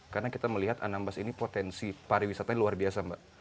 karena kita melihat anambas ini potensi pariwisata luar biasa mbak